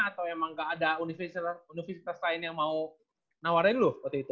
atau emang nggak ada universitas lain yang mau nawarin loh waktu itu